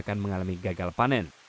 karena akan mengalami gagal panen